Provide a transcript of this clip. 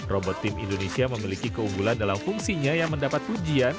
robot tim indonesia memiliki keunggulan dalam fungsinya yang mendapat pujian